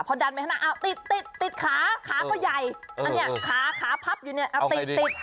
พอดันไปข้างหน้าติดติดขาขาก็ใหญ่อันนี้ขาขาพับอยู่นี่ติด